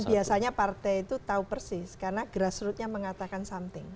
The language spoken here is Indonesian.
dan biasanya partai itu tahu persis karena grassrootnya mengatakan something